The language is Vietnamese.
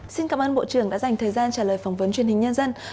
xin cảm ơn bộ trưởng đã dành thời gian trả lời phỏng vấn truyền hình nhân dân